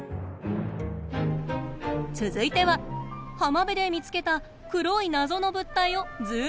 続いては浜辺で見つけた黒い謎の物体をズームアップ。